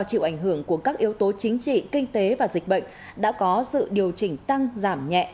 chịu ảnh hưởng của các yếu tố chính trị kinh tế và dịch bệnh đã có sự điều chỉnh tăng giảm nhẹ